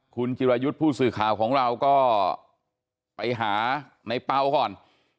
คุณจิรายุทธ์ผู้สื่อข่าวของเราก็ไปหาในเปล่าก่อน